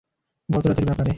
গত রাতের ব্যাপারে।